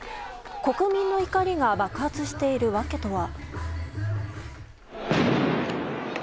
国民の怒りが爆発しているわけとは。